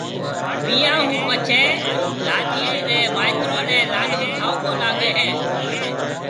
ويهان هون پڇيَ لاڏيِ ري مائيترو نَي لاڏو ٺائوڪو لاگي هيَ۔